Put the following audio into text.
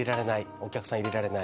お客さん入れられない。